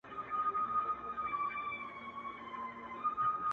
له پاچا او له رعیته څخه ورک سو؛